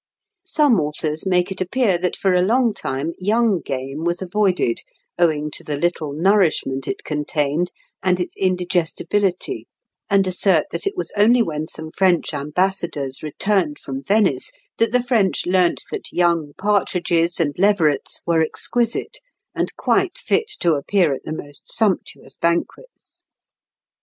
Some authors make it appear that for a long time young game was avoided owing to the little nourishment it contained and its indigestibility, and assert that it was only when some French ambassadors returned from Venice that the French learnt that young partridges and leverets were exquisite, and quite fit to appear at the most sumptuous banquets.